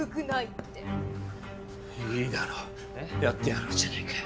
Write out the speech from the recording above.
やってやろうじゃないか。